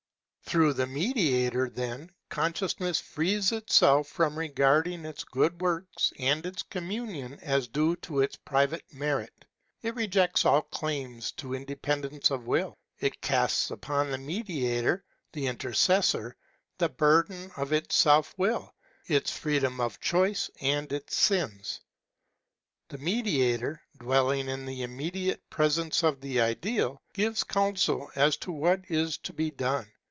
Through the Mediator, then, Consciousness frees itself from regarding its good works and its communion as due to its private merit. It rejects all claim to independence of will. It casts upon the Mediator, the intercessor, the burden of its self will, its freedom of choice, and its sins. The Mediator, dwelling in the immediate presence of the Ideal, gives counsel as to what is to be done.